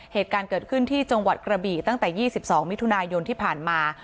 เหตุการณ์เกิดขึ้นที่จังหวัดกระบี่ตั้งแต่๒๒มิถุนายนที่ผ่านมา